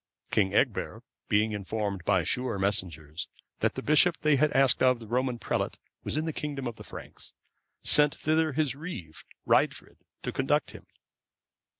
King Egbert, being informed by sure messengers that the bishop they had asked of the Roman prelate was in the kingdom of the Franks, sent thither his reeve,(533) Raedfrid, to conduct him.